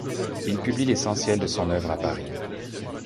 Il publie l'essentiel de son œuvre à Paris.